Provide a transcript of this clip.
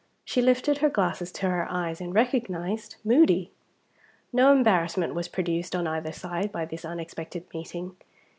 She lifted her glasses to her eyes and recognized Moody. No embarrassment was produced on either side by this unexpected meeting.